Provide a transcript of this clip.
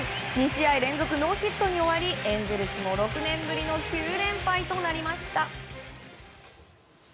２試合連続ノーヒットに終わりエンゼルスも６年ぶりの９連敗となりました。